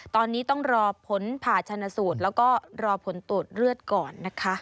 ตอนนี้ต้องรอผลผ่าชนะสูตรแล้วก็รอผลตรวจเลือดก่อนนะคะ